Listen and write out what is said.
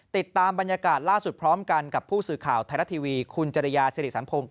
ติดตามบรรยากาศล่าสุดพร้อมกันกับผู้สื่อข่าวไทยรัฐทีวีคุณจริยาสิริสันพงศ์